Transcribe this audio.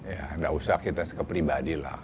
ya gak usah kita sekepribadi lah